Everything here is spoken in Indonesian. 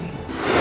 dia ada kesimpulan